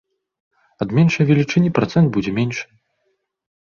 Ад меншай велічыні працэнт будзе меншы.